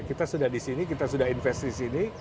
kita sudah di sini kita sudah investasi di sini